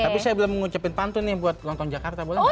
tapi saya belum mengucapkan pantun buat nonton jakarta boleh nggak